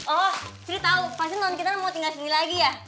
oh siri tahu pasti noon kinar mau tinggal sini lagi ya